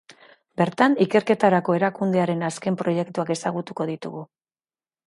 Bertan, ikerketarako erakundearen azken proiektuak ezagutuko ditugu.